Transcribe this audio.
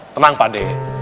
tenang pak de